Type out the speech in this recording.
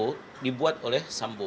itu dibuat oleh sambu